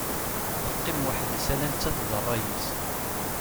Teqqim weḥd-s ala nettat d rray-is.